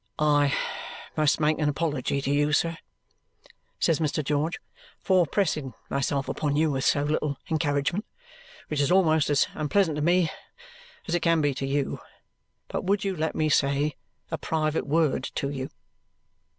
"I must make an apology to you, sir," says Mr. George, "for pressing myself upon you with so little encouragement which is almost as unpleasant to me as it can be to you but would you let me say a private word to you?"